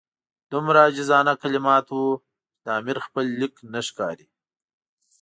دومره عاجزانه کلمات وو چې د امیر خپل لیک نه ښکاري.